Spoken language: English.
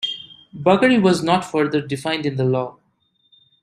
"Buggery" was not further defined in the law.